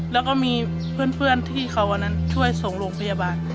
แล้วก็มีเพื่อนที่เขาวันนั้นช่วยส่งโรงพยาบาล